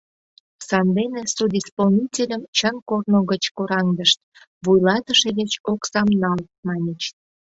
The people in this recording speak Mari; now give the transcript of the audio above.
Сандене судисполнительым чын корно гыч кораҥдышт: «Вуйлатыше деч оксам нал», — маньыч.